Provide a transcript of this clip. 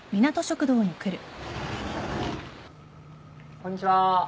こんにちは。